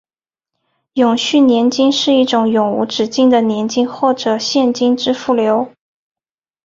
永续年金是一种永无止境的年金或者现金支付流。